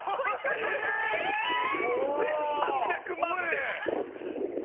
１３００万です。